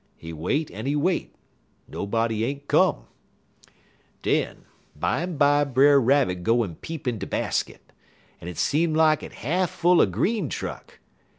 He wait, en he wait; nobody ain't come. "Den, bimeby Brer Rabbit go en peep in de basket, en it seem lak it half full er green truck.